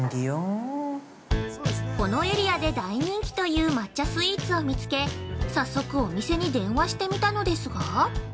◆このエリアで大人気という抹茶スイーツを見つけ、さっそくお店に電話してみたのですが？